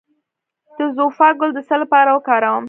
د زوفا ګل د څه لپاره وکاروم؟